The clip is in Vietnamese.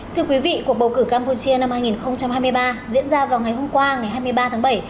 thưa quý vị cuộc bầu cử campuchia năm hai nghìn hai mươi ba diễn ra vào ngày hôm qua ngày hai mươi ba tháng bảy